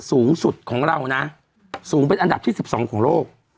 สูงสุดของเรานะสูงเป็นอันดับที่๑๒ของโลก